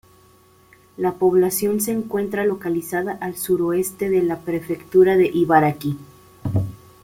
La población se encuentra localizada al suroeste de la Prefectura de Ibaraki.